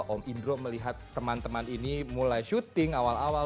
om indro melihat teman teman ini mulai syuting awal awal